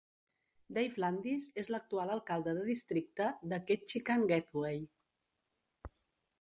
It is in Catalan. Dave Landis és l'actual alcalde del districte de Ketchikan Gateway.